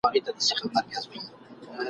چي آشنا مي دی د پلار او د نیکونو ..